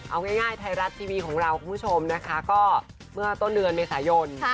เอาง่ายไทยรัฐทีวีของเราคุณผู้ชมนะคะก็เมื่อต้นเดือนเมษายน